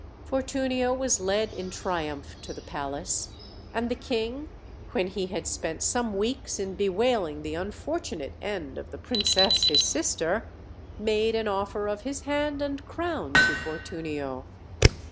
Fortunio was led in triumph to the palace; and the king, when he had spent some weeks in bewailing the un fortunate end of the princess his sister, made an offer of his hand and crown to Fortunio.